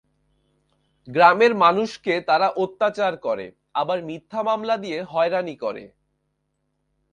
গ্রামের মানুষকে তারা অত্যাচার করে, আবার মিথ্যা মামলা দিয়ে হয়রানি করে।